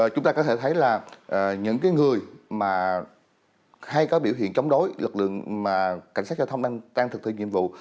chúng ta có thể thấy là những người mà hay có biểu hiện chống đối lực lượng mà cảnh sát giao thông đang thực thi nhiệm vụ